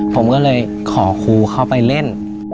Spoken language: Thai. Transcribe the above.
ผมก็เลยขอครูเข้าไปเล่น